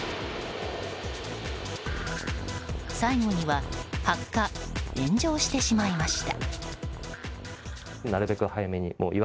最後には発火・炎上してしまいました。